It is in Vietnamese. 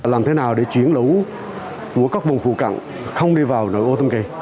làm thế nào để chuyển lũ của các vùng phụ cận không đi vào nội ô tam kỳ